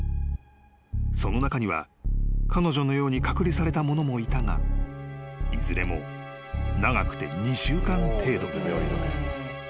［その中には彼女のように隔離された者もいたがいずれも長くて２週間程度］